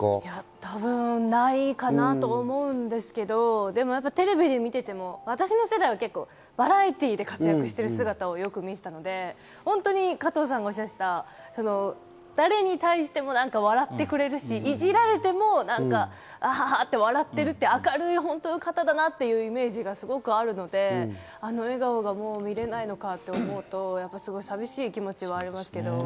多分ないかなと思うんですけど、テレビで見ていても、私の世代はバラエティーで活躍している姿をよく見ていたので加藤さんがおっしゃった、誰に対しても笑ってくれるし、いじられてもアハハ！と笑っている、明るい方だなというイメージがすごくあるので、あの笑顔がもう見られないのかと思うとすごく寂しい気持ちはありますけど。